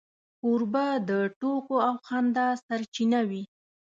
کوربه د ټوکو او خندا سرچینه وي.